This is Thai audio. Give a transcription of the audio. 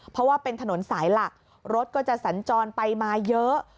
เพราะว่าเป็นถนนสายหลักรถก็จะสัญจรไปมาเยอะ